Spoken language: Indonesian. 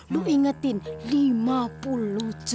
lu ingetin lima puluh cm